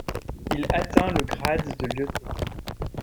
Il atteint le grade de leutenant.